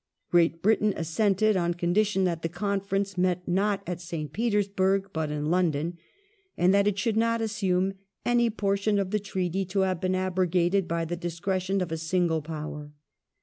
Great Britain assented on con dition that the conference met not at St. Petersburg but in Lon don, and that it should not assume *' any portion of the Treaty to have been abrogated by the discretion of a single Power